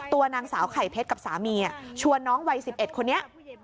ตัวนางสาวไข่เพชรกับสามีชวนน้องวัย๑๑คนนี้